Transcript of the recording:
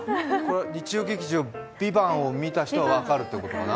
日曜劇場「ＶＩＶＡＮＴ」を見た人は分かるってことかな。